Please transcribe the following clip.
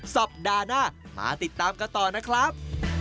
สัปดาห์หน้ามาติดตามกันต่อนะครับ